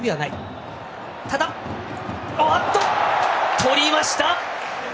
とりました！